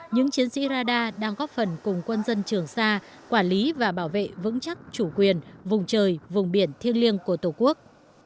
những chiến sĩ radar đang góp phần cùng quân dân trường sa quản lý và bảo vệ vững chắc chủ quyền vùng trời vùng biển thiêng liêng của tổ quốc